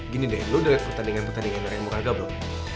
gini deh lo udah liat pertandingan pertandingan raya muraga belum